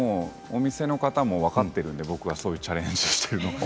お店の人も分かっているので僕がそういうチャレンジをしているのを。